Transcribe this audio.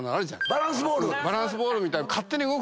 バランスボール。